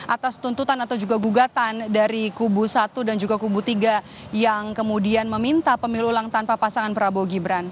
atas tuntutan atau juga gugatan dari kubu satu dan juga kubu tiga yang kemudian meminta pemilu ulang tanpa pasangan prabowo gibran